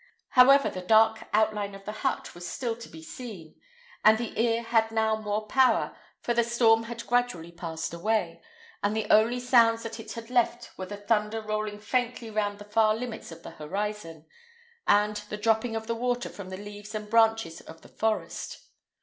However, the dark outline of the hut was still to be seen, and the ear had now more power; for the storm had gradually passed away, and the only sounds that it had left were the thunder rolling faintly round the far limits of the horizon, and the dropping of the water from the leaves and branches of the forest.